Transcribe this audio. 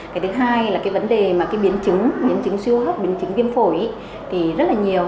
cái thứ hai là cái vấn đề mà cái biến chứng biến chứng siêu hấp biến chứng viêm phổi thì rất là nhiều